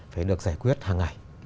phải được giải quyết hàng ngày